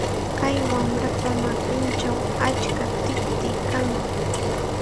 Kay wamrapa makinchawmi achka tikti kan.